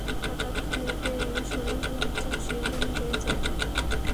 হঠাৎ খালিদের শরীরে লজ্জার শিহরণ বয়ে যায়।